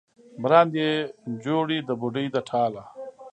مراندې یې جوړې د بوډۍ د ټاله